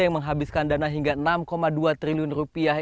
yang menghabiskan dana hingga enam dua triliun rupiah